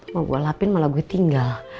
mau gue elapin malah gue tinggal